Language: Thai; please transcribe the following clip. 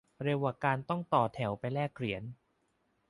เร็วกว่าการต้องต่อแถวไปแลกเหรียญ